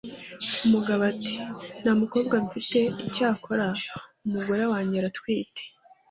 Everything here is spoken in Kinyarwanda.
Umugabo ati:"Nta mukobwa mfite, icyakora umugore wange aratwite